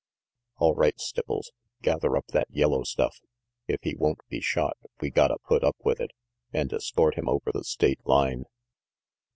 All right, Stipples. Gather up that yellow stuff. If he won't be shot, we gotta put up with it and escort him over the state line.